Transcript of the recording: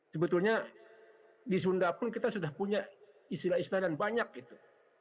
sebetulnya di sunda pun kita sudah punya istilah istilah dan banyak gitu